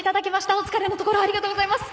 お疲れのところありがとうございます。